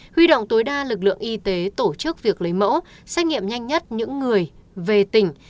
huy động tối đa lực lượng y tế tổ chức việc lấy mẫu xét nghiệm nhanh nhất những người về tỉnh